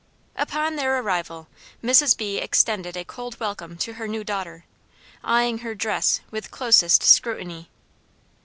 Upon their arrival, Mrs. B. extended a cold welcome to her new daughter, eyeing her dress with closest scrutiny.